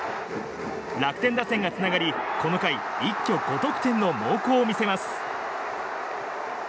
楽天打線がつながり、この回一挙５得点の猛攻を見せます。